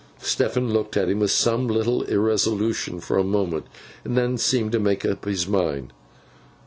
Stephen looked at him with some little irresolution for a moment, and then seemed to make up his mind.